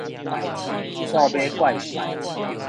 數碼怪獸